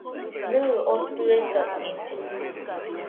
Nɨɨ, oo tɨeka illɨ .